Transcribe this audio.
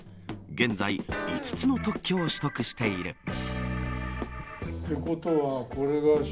現在５つの特許を取得している。